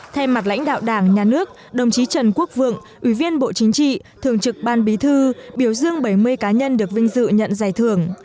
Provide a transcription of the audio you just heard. thay mặt lãnh đạo đảng nhà nước đồng chí trần quốc vượng ủy viên bộ chính trị thường trực ban bí thư biểu dương bảy mươi cá nhân được vinh dự nhận giải thưởng